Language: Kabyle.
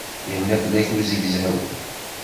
Yerna fell-ak uzegzaw.